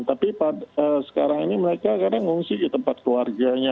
tapi sekarang ini mereka kadang ngungsi di tempat keluarganya